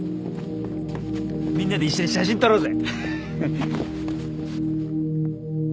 みんなで一緒に写真撮ろうぜ。